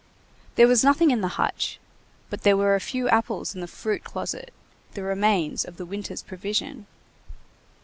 There was nothing in the hutch, but there were a few apples in the fruit closet,—the remains of the winter's provision.